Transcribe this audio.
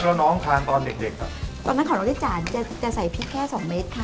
แล้วน้องทานตอนเด็กเด็กครับตอนนั้นของน้องที่จานจะจะใส่พริกแค่สองเม็ดค่ะ